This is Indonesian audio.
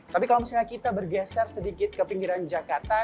tapi kalau misalnya kita bergeser sedikit ke pinggiran jakarta